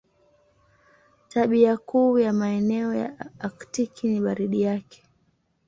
Tabia kuu ya maeneo ya Aktiki ni baridi yake.